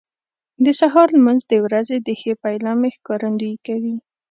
د سهار لمونځ د ورځې د ښې پیلامې ښکارندویي کوي.